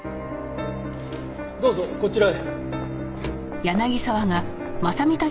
どうぞこちらへ。